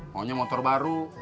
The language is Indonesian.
maunya motor baru